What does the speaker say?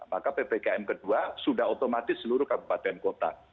maka ppkm kedua sudah otomatis seluruh kabupaten kota